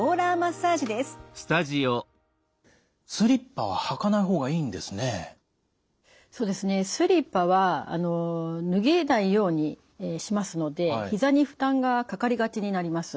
スリッパは脱げないようにしますのでひざに負担がかかりがちになります。